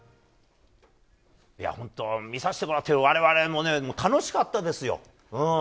見させてもらっている我々も楽しかったですよ。